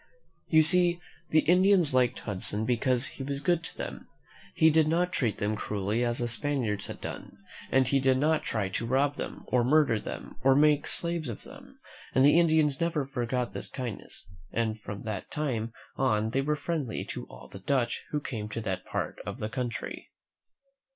You see the Indians liked Hudson because he was good to them. He did not treat them cruelly as the Spaniards had done, and he did not try to rob them, or murder them, or make slaves of them; and the Indians never forgot this kindness, and from that time on they were friendly to all the Dutch who came to that part of the country.